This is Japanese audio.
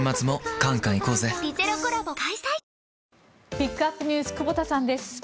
ピックアップＮＥＷＳ久保田さんです。